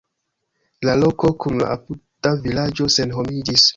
La loko kun la apuda vilaĝo senhomiĝis.